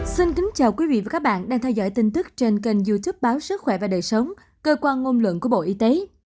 xin kính chào quý vị và các bạn đang theo dõi tin tức trên kênh youtube báo sức khỏe và đời sống cơ quan ngôn luận của bộ y tế